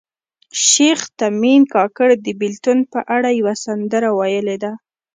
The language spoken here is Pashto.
شیخ تیمن کاکړ د بیلتون په اړه یوه سندره ویلې ده